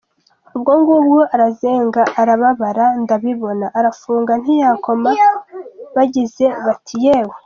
Ubwo ngubwo arazenga arababara ndabibona arafunga ntiyakoma bagize bati yewe.